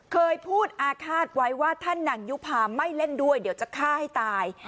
เคยพูดอาฆาตไว้ว่าถ้านางยุภาไม่เล่นด้วยเดี๋ยวจะฆ่าให้ตาย